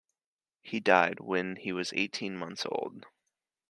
He died when he was eighteen months old.